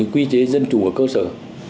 quy chế dân chủ ở cơ sở